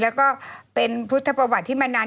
แล้วก็เป็นพุทธประวัติที่มานาน